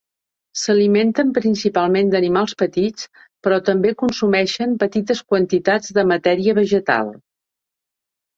S'alimenten principalment d'animals petits, però també consumeixen petites quantitats de matèria vegetal.